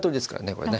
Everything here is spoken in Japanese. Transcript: これね。